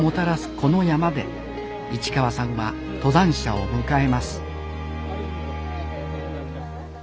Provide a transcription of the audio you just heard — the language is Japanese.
この山で市川さんは登山者を迎えます